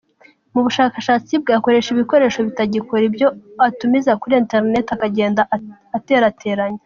Mu bushakashatsi bwe akoresha ibikoresho bitagikora, ibyo atumiza kuri interineti akagenda aterateranya.